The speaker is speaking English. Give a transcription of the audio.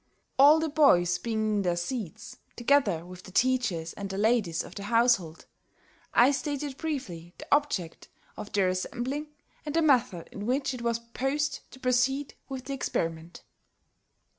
All the boys being in their seats, together with the teachers and the ladies of the household, I stated briefly the object of their assembling and the method in which it was proposed to proceed with the experiment.